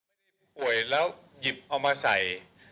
ถ้าเป็นคนป่วยแล้วหยิบเอามาใส่